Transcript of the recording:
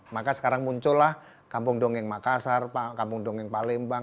maka sekarang muncullah kampung dongeng makassar kampung dongeng palembang